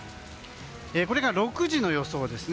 これが６時の予想です。